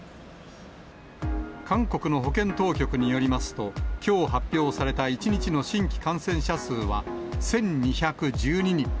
韓国の保健当局によりますと、きょう発表された１日の新規感染者数は１２１２人。